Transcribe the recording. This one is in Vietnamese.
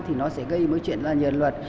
thì nó sẽ gây mối chuyện là nhờn luật